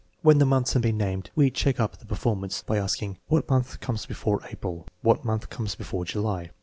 When the months have been named, we " check up " the performance by asking: " What month comes before April?" "What month comes before July?"